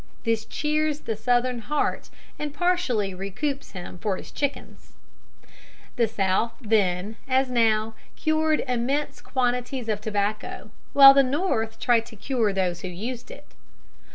This cheers the Southern heart and partially recoups him for his chickens. (See Appendix.) The South then, as now, cured immense quantities of tobacco, while the North tried to cure those who used it.